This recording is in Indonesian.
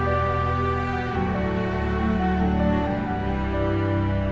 kenapa di dunia ini kamu tidak selamat